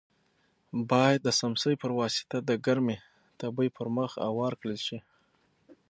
باید د څمڅۍ په واسطه د ګرمې تبۍ پر مخ اوار کړل شي.